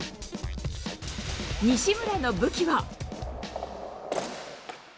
西村の武器は。